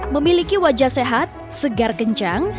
memiliki wajah sehat segar kencang